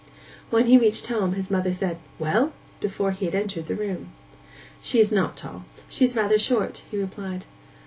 When he reached home his mother said, 'Well?' before he had entered the room. 'She is not tall. She is rather short,' he replied.